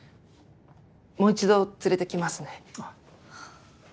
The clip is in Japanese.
もう一度連れてきますね。